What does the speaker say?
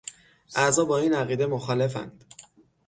اعضا با این عقیده مخالفند.